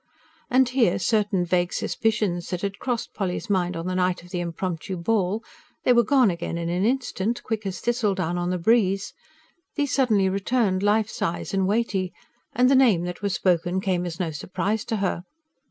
And here certain vague suspicions that had crossed Polly's mind on the night of the impromptu ball they were gone again, in an instant, quick as thistledown on the breeze these suddenly returned, life size and weighty; and the name that was spoken came as no surprise to her.